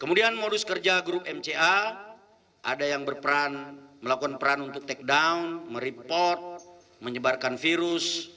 kemudian modus kerja grup mca ada yang berperan melakukan peran untuk take down mereport menyebarkan virus